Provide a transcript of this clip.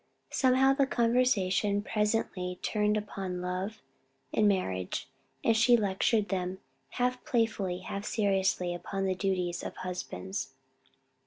Somehow the conversation presently turned upon love and marriage, and she lectured them, half playfully, half seriously, upon the duties of husbands.